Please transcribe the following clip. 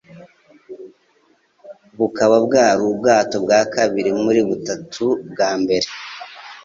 bukaba bwari ubwato bwa kabiri muri butatu bwa mbere